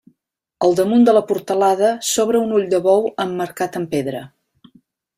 Al damunt de la portalada s'obre un ull de bou emmarcat amb pedra.